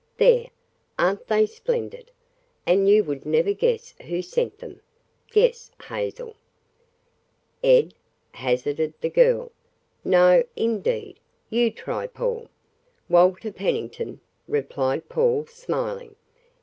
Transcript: "There! Aren't they splendid? And you would never guess who sent them. Guess, Hazel." "Ed," hazarded the girl. "No, indeed. You try, Paul." "Walter Pennington," replied Paul, smiling.